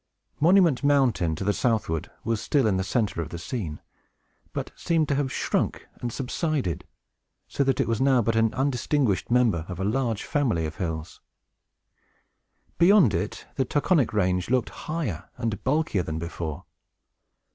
Monument Mountain, to the southward, was still in the centre of the scene, but seemed to have sunk and subsided, so that it was now but an undistinguished member of a large family of hills. Beyond it, the Taconic range looked higher and bulkier than before.